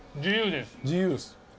自由です。